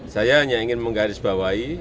saya hanya ingin menggarisbawahi